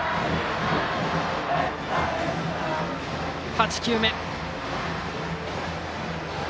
８球目。